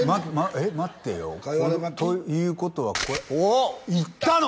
えっ待てよということはこれおおっ行ったの！？